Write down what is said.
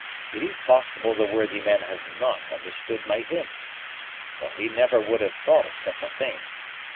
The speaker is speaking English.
It is possible the worthy man has not understood my hints, or he never would have thought of such a thing.